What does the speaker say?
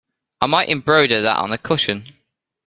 I might embroider that on a cushion.